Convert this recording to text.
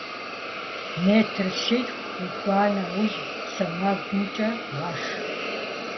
Метр щитху укӏуа нэужь, сэмэгумкӏэ гъэш.